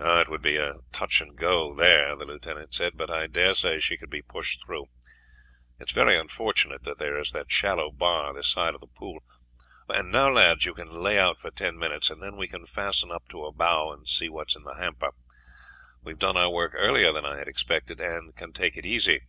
"It would be a touch and go there," the lieutenant said, "but I dare say she could be pushed through. It is very unfortunate that there is that shallow bar this side of the pool. And now, lads, you can lay out for ten minutes, and then we can fasten up to a bough and see what is in the hamper. We have done our work earlier than I had expected, and can take it easy."